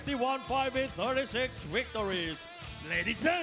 ตอนนี้มวยกู้ที่๓ของรายการ